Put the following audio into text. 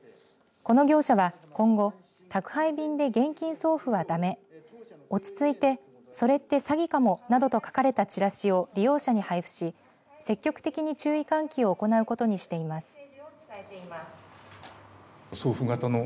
この業者は、今後宅配便で現金送付はダメ落ち着いて、それって詐欺かもなどと書かれたチラシを利用者に配布し積極的に注意喚起を行うことにしています。